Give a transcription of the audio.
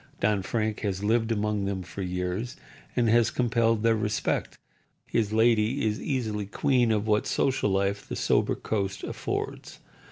Don Frank has lived among them for years, and has compelled their respect. His lady is easily queen of what social life the sober coast affords.